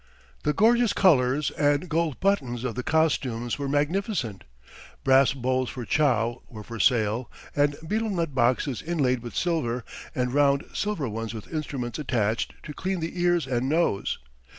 The gorgeous colours and gold buttons of the costumes were magnificent. Brass bowls for chow were for sale, and betel nut boxes inlaid with silver, and round silver ones with instruments attached to clean the ears and nose.